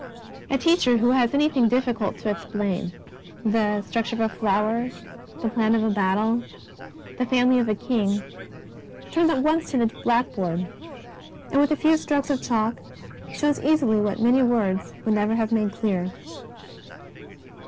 A teacher who has anything difficult to explain — the structure of a flower, the plan of a battle, the family of a king — turns at once to the blackboard, and with a few strokes of chalk shows easily what many words would never have made clear.